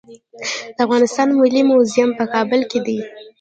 د افغانستان ملي موزیم په کابل کې دی